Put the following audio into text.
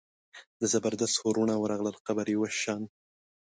د زبردست وروڼه ورغلل قبر یې وشان.